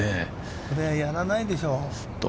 これ、やらないでしょう。